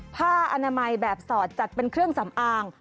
ผ้าอนามัยแบบสอดจัดเป็นเครื่องสำอาง